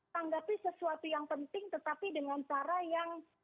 tanggapi sesuatu yang penting tetapi dengan cara yang